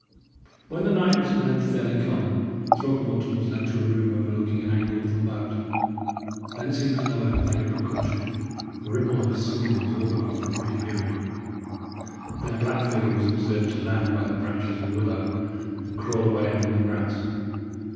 When the night was at length fairly come, Throgmorton was led to a room overlooking an angle of the moat. Thence he was lowered with every precaution; the ripple of his swimming was audible for a brief period; then a black figure was observed to land by the branches of a willow and crawl away among the grass.